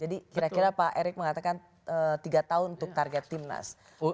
jadi pak erick mengatakan tiga tahun untuk target timnas